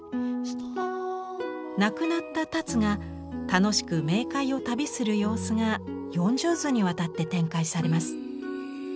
亡くなった田鶴が楽しく冥界を旅する様子が４０図にわたって展開されます。